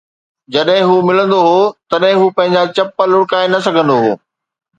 جڏهن هو ملندو هو، تڏهن هو پنهنجا چپ لڙڪائي نه سگهندو هو